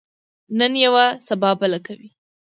نن یوه، سبا بله کوي.